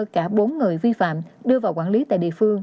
cả bốn người vi phạm đưa vào quản lý tại địa phương